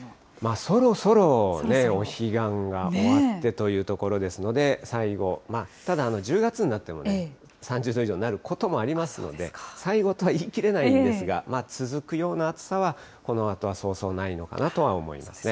そろそろお彼岸が終わってというところですので、最後、まあ、ただ、１０月になっても３０度以上になることもありますので、最後とは言い切れないんですが、続くような暑さは、このあとはそうそうないのかなとは思いますね。